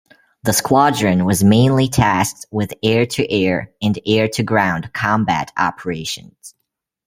The squadron was mainly tasked with air-to-air and air-to-ground combat operations.